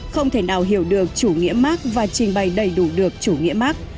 không thể nào hiểu được chủ nghĩa mark và trình bày đầy đủ được chủ nghĩa mark